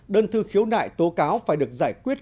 đơn thư khiếu nại tố cáo phải được giải quyết